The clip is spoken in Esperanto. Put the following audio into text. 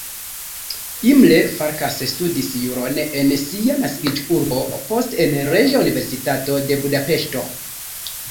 Imre Farkas studis juron en sia naskiĝurbo, poste en Reĝa Universitato de Budapeŝto.